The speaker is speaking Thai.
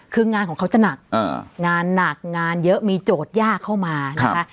คืองานของเขาจะหนักงานหนักงานเยอะมีโจทย์ยากเข้ามานะคะ